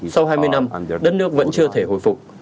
sau hai mươi năm giờ đất nước vẫn chưa thể hồi phục